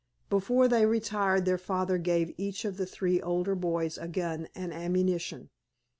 Before they retired their father gave each of the three older boys a gun and ammunition.